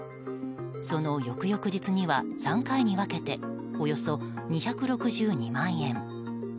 その翌々日には３回に分けておよそ２６２万円。